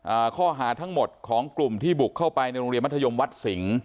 อ่าข้อหาทั้งหมดของกลุ่มที่บุกเข้าไปในโรงเรียนมัธยมวัดสิงห์